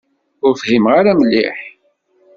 Ur fhimeɣ ara mliḥ.